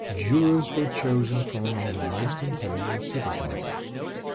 Jurors were chosen from among the most intelligent citizens.